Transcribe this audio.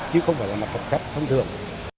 chứ không phải là mặt cầu thép thông thường